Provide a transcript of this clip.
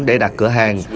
để đặt cửa hàng